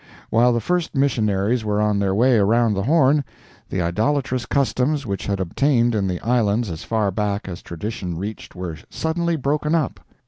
While the first missionaries were on their way around the Horn, the idolatrous customs which had obtained in the islands as far back as tradition reached were suddenly broken up.